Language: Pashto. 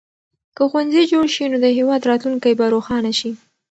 که ښوونځي جوړ شي نو د هېواد راتلونکی به روښانه شي.